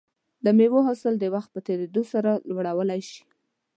د مېوو حاصل د وخت په تېریدو سره لوړولی شي.